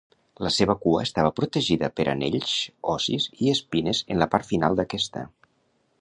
La seva cua estava protegida per anells ossis i espines en la part final d'aquesta.